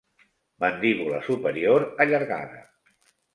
Mandíbula superior allargada.